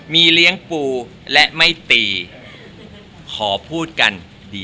มีเลี้ยงปูและไม่ตีขอพูดกันดี